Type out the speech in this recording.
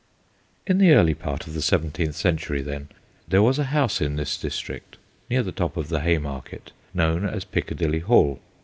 In the early part of the seventeenth cen tury, then, there was a house in this district near the top of the Hay market known as Piccadilly Hall.